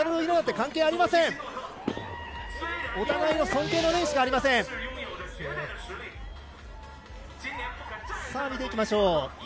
見ていきましょう。